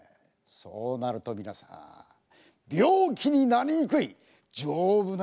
そうなると皆さん病気になりにくい丈夫な体になるんですね。